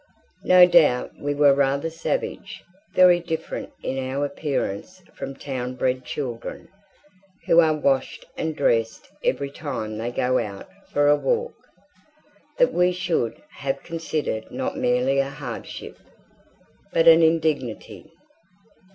No doubt we were rather savage, very different in our appearance from town bred children, who are washed and dressed every time they go out for a walk: that we should have considered not merely a hardship, but an indignity.